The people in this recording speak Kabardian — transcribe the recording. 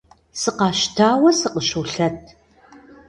Сыкъэщтауэ сыкъыщолъэт.